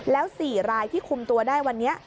แล้ว๔รายที่คุมตัวได้วันนี้